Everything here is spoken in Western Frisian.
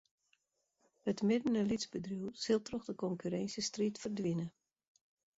It midden- en lytsbedriuw sil troch de konkurrinsjestriid ferdwine.